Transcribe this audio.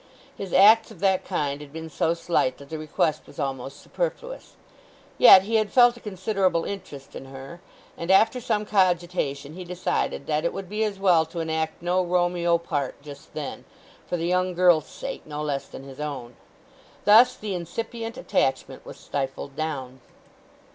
His acts of that kind had been so slight that the request was almost superfluous. Yet he had felt a considerable interest in her, and after some cogitation he decided that it would be as well to enact no Romeo part just then—for the young girl's sake no less than his own. Thus the incipient attachment was stifled down.